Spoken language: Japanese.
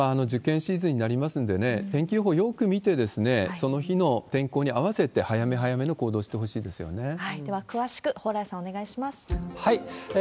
受験シーズンになりますんでね、天気予報よーく見て、その日の天候に合わせて早め早めの行動をしてほしいですよね。